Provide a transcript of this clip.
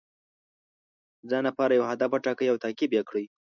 د ځان لپاره یو هدف وټاکئ او تعقیب یې کړئ.